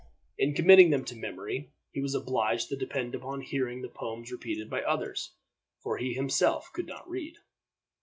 In committing them to memory, he was obliged to depend upon hearing the poems repeated by others, for he himself could not read.